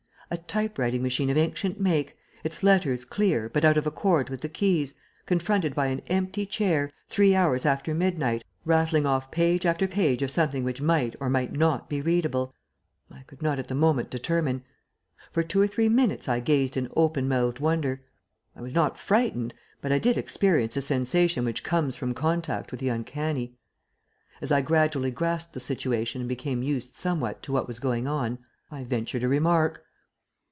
A type writing machine of ancient make, its letters clear, but out of accord with the keys, confronted by an empty chair, three hours after midnight, rattling off page after page of something which might or might not be readable, I could not at the moment determine. For two or three minutes I gazed in open mouthed wonder. I was not frightened, but I did experience a sensation which comes from contact with the uncanny. As I gradually grasped the situation and became used, somewhat, to what was going on, I ventured a remark.